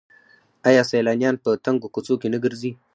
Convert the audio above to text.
آیا سیلانیان په تنګو کوڅو کې نه ګرځي؟